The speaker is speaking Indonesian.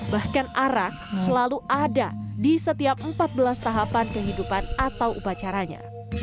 bahkan arah selalu ada di setiap empat belas tahapan kehidupan atau upacaranya